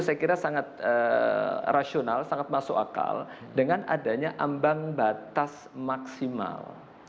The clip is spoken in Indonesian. saya kira sangat rasional sangat masuk akal dengan adanya ambang batas maksimal